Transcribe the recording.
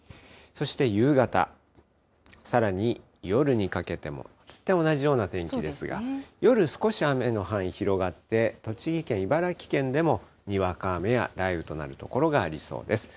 そして夕方、さらに夜にかけても、大体同じような天気ですが、夜、少し雨の範囲広がって、栃木県、茨城県でもにわか雨や雷雨となる所がありそうです。